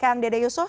keyang dede yusuf